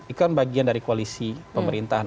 itu kan bagian dari koalisi pemerintahan